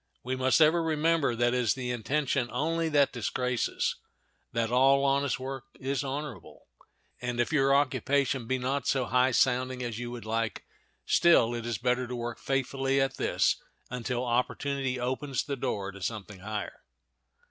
We must ever remember that it is the intention only that disgraces; that all honest work is honorable; and if your occupation be not so high sounding as you would like, still it is better to work faithfully at this until opportunity opens the door to something higher.